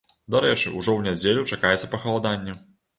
Дарэчы, ужо ў нядзелю чакаецца пахаладанне.